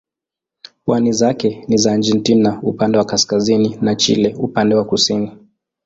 Pwani zake ni za Argentina upande wa kaskazini na Chile upande wa kusini.